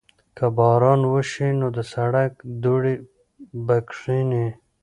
که باران وشي نو د سړک دوړې به کښېني.